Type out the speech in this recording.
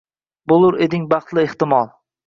Bo’lur eding baxtli, ehtimol.